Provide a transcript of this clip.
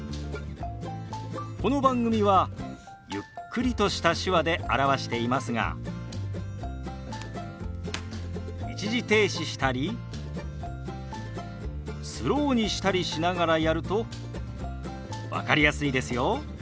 この番組はゆっくりとした手話で表していますが一時停止したりスローにしたりしながらやると分かりやすいですよ。